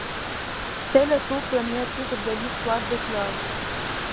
C'est le tout premier titre de l'histoire du club.